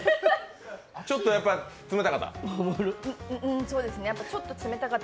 ちょっとやっぱり冷たかった？